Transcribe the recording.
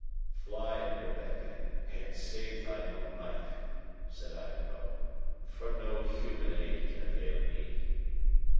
"Fly, Rebecca, and save thine own life," said Ivanhoe, "for no human aid can avail me."